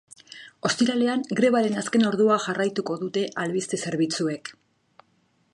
Ostiralean, grebaren azken ordua jarraituko dute albiste zerbitzuek.